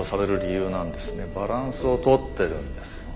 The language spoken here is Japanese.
バランスをとってるんですよ。